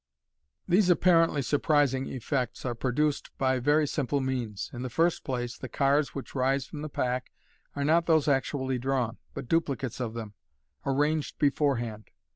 These apparently surprising effects are produced by very simple means. In the first place, the cards which rise from the pack are not those actually drawn, but duplicates of them, arranged beforehand.